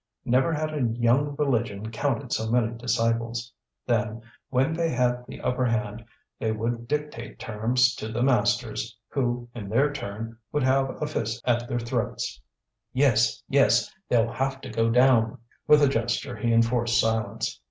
Never had a young religion counted so many disciples. Then, when they had the upper hand they would dictate terms to the masters, who, in their turn, would have a fist at their throats. "Yes, yes! they'll have to go down!" With a gesture he enforced silence.